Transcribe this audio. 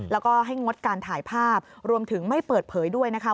แล้วก็ให้งดการถ่ายภาพรวมถึงไม่เปิดเผยด้วยนะคะ